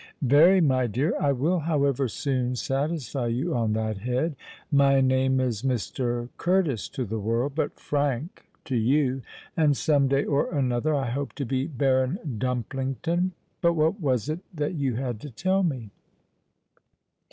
"Very, my dear. I will, however, soon satisfy you on that head. My name is Mr. Curtis to the world—but Frank to you; and some day or another I hope to be Baron Dumplington. But what was it that you had to tell me?"